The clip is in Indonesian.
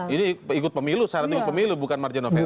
ini ikut pemilu syaratnya ikut pemilu bukan margin of er